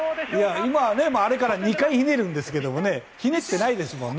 あれから２回ひねるんですけどひねってないですもんね。